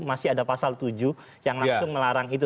masih ada pasal tujuh yang langsung melarang itu